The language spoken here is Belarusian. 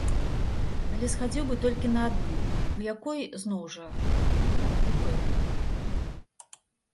Але схадзіў бы толькі на адну, у якой, зноў, жа упэўнены!